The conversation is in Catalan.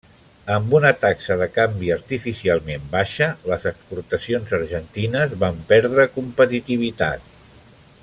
Amb una taxa de canvi artificialment baixa, les exportacions argentines van perdre competitivitat.